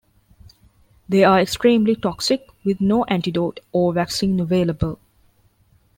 They are extremely toxic with no antidote or vaccine available.